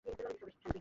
একা, বড় কেউ নেই।